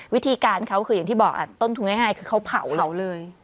วิธีการเขาคืออย่างที่บอกอ่ะต้นถุงให้ไห้คือเขาเผาเลย